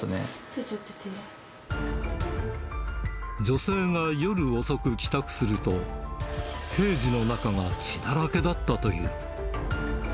女性が夜遅く、帰宅すると、ケージの中が血だらけだったという。